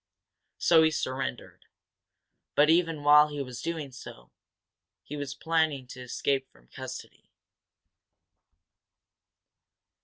So he surrendered. But, even while he was doing so, he was planning to escape from custody.